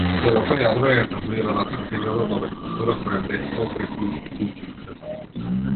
Првото јадро е етаблираната книжевна номенклатура која дејствува преку институциите.